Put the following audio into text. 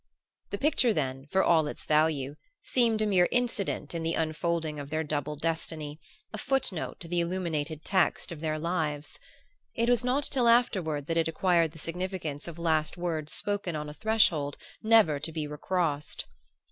The picture, then, for all its value, seemed a mere incident in the unfolding of their double destiny, a foot note to the illuminated text of their lives. It was not till afterward that it acquired the significance of last words spoken on a threshold never to be recrossed.